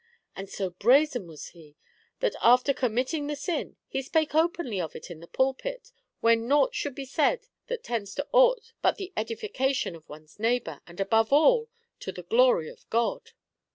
And so brazen was he, that after committing the sin, he spake openly of it in the pulpit, where nought should be said that tends to aught but the edification of one's neighbour, and above all to the glory of God."